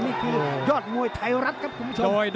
นี่คือยอดมวยไทยรัฐครับคุณผู้ชม